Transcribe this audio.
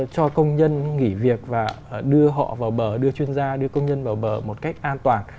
cho công nhân nghỉ việc và đưa họ vào bờ đưa chuyên gia đưa công nhân vào bờ một cách an toàn